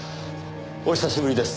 お久しぶりです